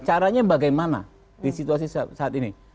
caranya bagaimana di situasi saat ini